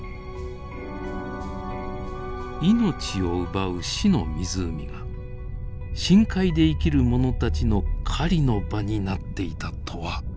命を奪う死の湖が深海で生きるものたちの狩りの場になっていたとは。